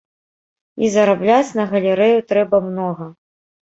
І зарабляць на галерэю трэба многа.